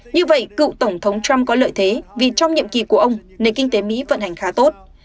như vậy cựu tổng thống trump có lợi thế vì trong nhiệm kỳ của ông nền kinh tế mỹ vận hành khá tốt